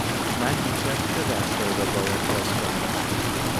من این ترم چه درس هایی را باید پاس کنم؟